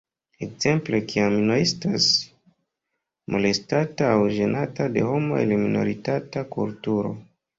Ekzemple kiam ino estas molestata aŭ ĝenata de homo el minoritata kulturo.